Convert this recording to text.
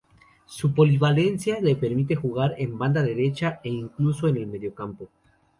Su polivalencia le permite jugar en banda derecha e incluso en el mediocampo.